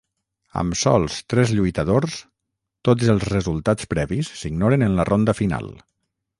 Amb sols tres lluitadors, tots els resultats previs s'ignoren en la ronda final.